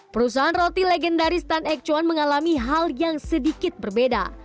perusahaan roti legendaris tan ek cuan mengalami hal yang sedikit berbeda